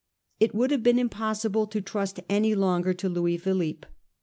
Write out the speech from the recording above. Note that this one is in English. It would have been impossible to trust any longer to Louis Philippe.